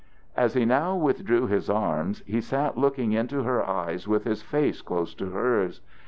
As he now withdrew his arms, he sat looking into her eyes with his face close to hers.